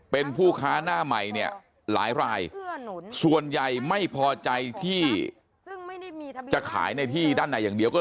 เป็นผู้ค้าหน้าใหม่เนี่ยหลายรายส่วนใหญ่ไม่พอใจที่จะขายในที่ด้านในอย่างเดียวก็เลย